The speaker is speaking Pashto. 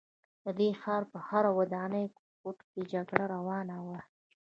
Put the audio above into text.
د دې ښار په هره ودانۍ او کوټه کې جګړه روانه وه